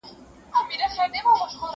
په للو دي هره شپه يم زنگولى